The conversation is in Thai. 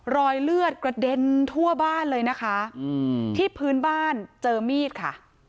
รอยเลือดกระเด็นทั่วบ้านเลยนะคะที่พื้นบ้านเจอมีดค่ะ